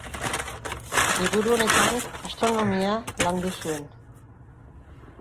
Liburu honetan astronomia landu zuen.